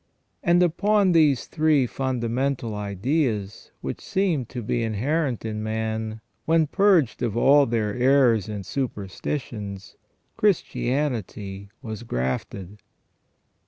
And upon these three fundamental ideas, which seemed to be inherent in man, when purged of all their errors and superstitions, Christianity was grafted.